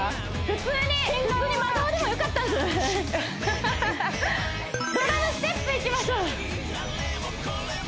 普通に真顔でもよかったんじゃない？ドラムステップいきましょう